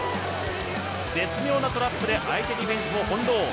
絶妙なトラップで相手ディフェンスを翻弄。